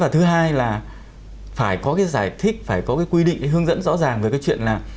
thứ hai là phải có cái giải thích phải có cái quy định cái hướng dẫn rõ ràng về cái chuyện là